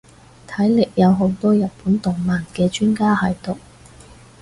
睇嚟有好多日本動漫嘅專家喺度